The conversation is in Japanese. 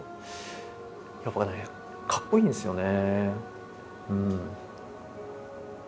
やっぱねかっこいいんですよね。